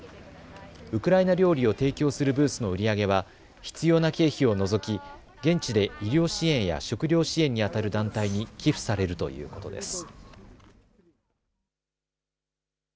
ウクライナ料理を提供するブースの売り上げは必要な経費を除き現地で医療支援や食料支援にあたる団体に寄付されるということです。